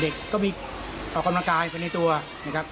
เด็กก็มีกำลังกายในตัวนะครับ